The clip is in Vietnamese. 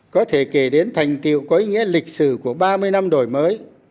có thể kể đến thành tiệu có ý nghĩa lịch sử của ba mươi năm đổi mới